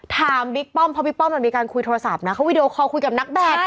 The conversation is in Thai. บิ๊กป้อมเพราะบิ๊กป้อมมันมีการคุยโทรศัพท์นะเขาวีดีโอคอลคุยกับนักแบต